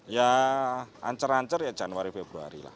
ya ancur ancur ya januari februari lah